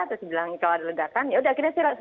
terus bilang kalau ada ledakan yaudah akhirnya saya